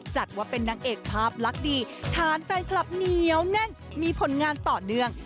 จัดว่าเป็นนางเอกภาพลักษณ์ดีฐานแฟนคลับเหนียวแน่นมีผลงานต่อเนื่อง